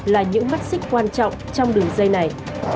là những mắt xích quan trọng trong đường dây này